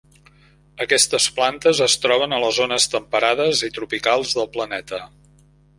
Aquestes plantes es troben a les zones temperades i tropicals del planeta.